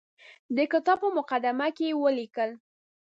د کتاب په مقدمه کې یې ولیکل.